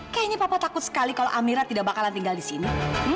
kayaknya papa takut sekali kalau amira tidak bakalan tinggal di sini